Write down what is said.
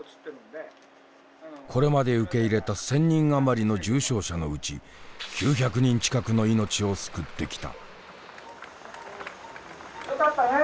これまで受け入れた１，０００人余りの重症者のうち９００人近くの命を救ってきた。